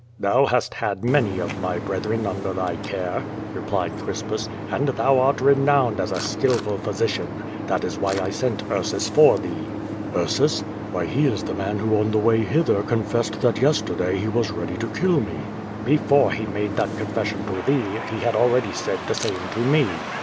"Thou hast had many of my brethren under thy care," replied Crispus, "and thou art renowned as a skillful physi cian. That is whv I sent Ursus for thee." ft "Ursus? WTiy, he is the man who on the way hither con fessed that yesterday lie was ready to kill me." "Before he made that confession to thee, he liad already said the same to me.